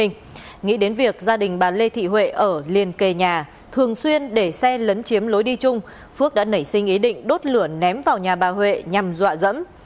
nghĩ đến việc gia đình bà lê thị huệ ở liên kề nhà thường xuyên để xe lấn chiếm lối đi chung phước đã nảy sinh ý định đốt lửa ném vào nhà bà huệ nhằm dọa dẫm